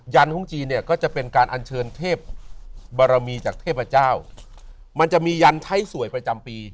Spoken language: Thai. ันของจีนเนี่ยก็จะเป็นการอัญเชิญเทพบารมีจากเทพเจ้ามันจะมียันไทยสวยประจำปี